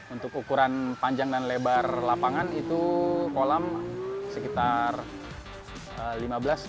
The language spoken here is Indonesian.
untuk ukuran panjang dan lebar lapangan itu kolam sekitar lima belas x dua puluh lima